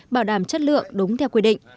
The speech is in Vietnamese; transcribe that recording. bảo đảm chất lượng đúng theo quy định